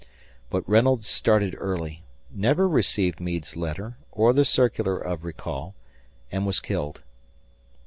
But Reynolds started early, never received Meade's letter or the circular of recall, and was killed.